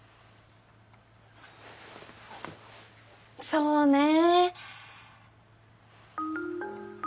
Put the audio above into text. そうねえ。